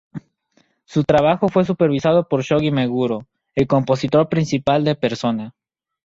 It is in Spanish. Su trabajo fue supervisado por Shoji Meguro, el compositor principal de "Persona".